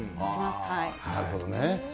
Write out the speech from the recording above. なるほどね。